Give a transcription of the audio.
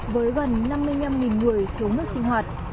với gần năm mươi năm người thiếu nước sinh hoạt